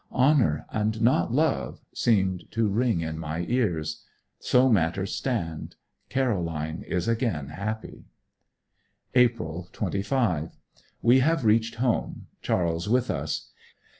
'Honour and not love' seemed to ring in my ears. So matters stand. Caroline is again happy. April 25. We have reached home, Charles with us.